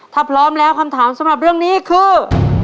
ถ้าพร้อมแล้วคำถามสำหรับเรื่องนี้คือ